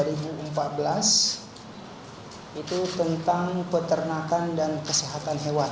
itu tentang peternakan dan kesehatan hewan